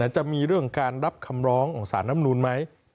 จะมีเรื่องการรับคำร้องของสารน้ำนูนไหม